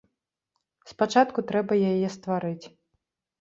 Спачатку трэба яе стварыць.